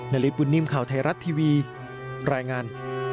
นริตบุญนิ่มข่าวไทยรัตน์ทีวีแรงงาน